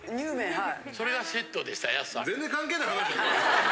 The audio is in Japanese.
はい。